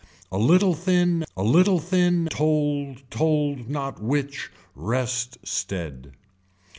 A little thin a little thin told told not which. Rest stead.